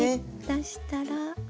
出したら。